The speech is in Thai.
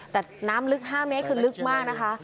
แต่น้ำลึก๕เมตรคือลึกมากนะคะ